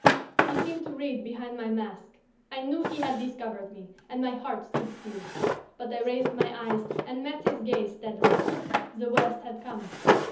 He seemed to read behind my mask. I knew he had discovered me, and my heart stood still. But I raised my eyes and met his gaze steadily. The worst had come.